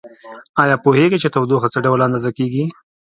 ایا پوهیږئ چې تودوخه څه ډول اندازه کیږي؟